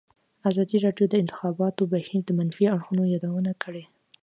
ازادي راډیو د د انتخاباتو بهیر د منفي اړخونو یادونه کړې.